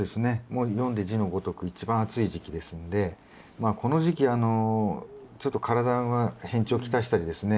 もう読んで字のごとく一番暑い時期ですんでまあこの時期ちょっと体が変調来したりですね